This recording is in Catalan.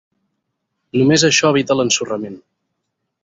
Només això evita l'ensorrament.